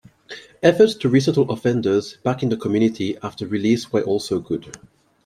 Efforts to resettle offenders back in the community after release were also good.